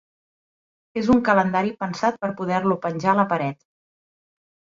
És un calendari pensat per poder-lo penjar a la paret.